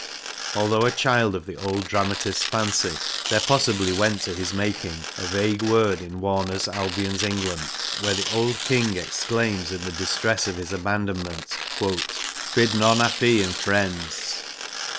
Although a child of the old dramatist's fancy, there possibly went to his making a vague word in Warner's Albion s England^ where the old King exclaims in the distress of his abandonment * bid none affy in friends.'